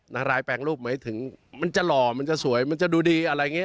รายแปลงรูปหมายถึงมันจะหล่อมันจะสวยมันจะดูดีอะไรอย่างนี้